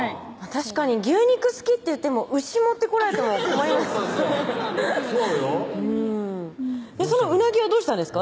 確かに牛肉好きっていっても牛持ってこられても困りますそうよその鰻はどうしたんですか？